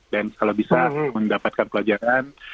dan kalau bisa mendapatkan pelajaran